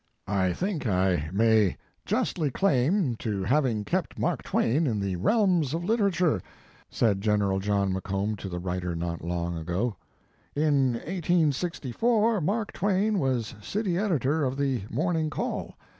"I think I may justly claim to having kept Mark Twain in the realms of liter ature," said General John McComb to the writer not long ago. "In 1864 Mark Twain was city editor of the Morning Call.